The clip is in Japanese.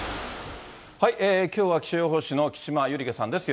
きょうは気象予報士の木島由利香さんです。